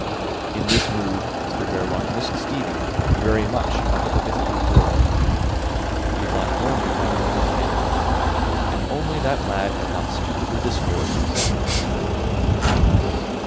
In this mood Mr Verloc missed Stevie very much out of a difficult world. He thought mournfully of his end. If only that lad had not stupidly destroyed himself!